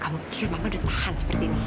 kamu pikir mama sudah tahan seperti ini